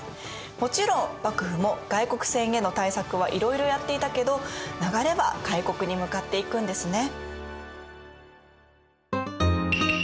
もちろん幕府も外国船への対策はいろいろやっていたけど流れは開国に向かっていくんですね。